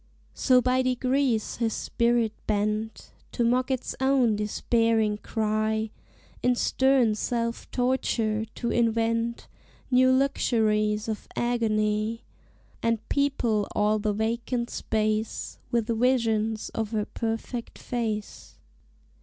So by degrees his spirit bent To mock its own despairing cry, In stern self torture to invent New luxuries of agony, And people all the vacant space With visions of her perfect face.